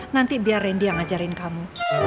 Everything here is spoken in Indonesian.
nanti biar randy yang ngajarin kamu